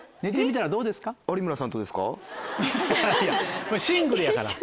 いやシングルやから。